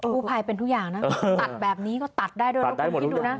ผู้ภัยเป็นทุกอย่างนะตัดแบบนี้ก็ตัดได้ด้วยนะคุณคิดดูนะ